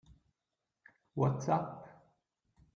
What's up?